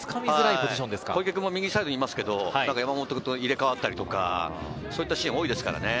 小池君も右サイドにいますけど、山本君と入れ替わったりとか、そういったシーンが多いですからね。